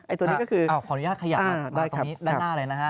ไอ้ตัวนี้ก็คืออ่าของนี้ถ้าขยับมาอ่าได้ครับมาตรงนี้ด้านหน้าเลยนะครับ